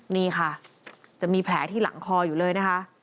นี่ค่ะจะมีแผลที่หลังคออยู่เลยนะคะ